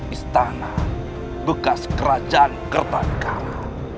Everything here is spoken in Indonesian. istana bekas kerajaan kertanegara